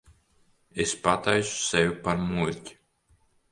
Es pataisu sevi par muļķi.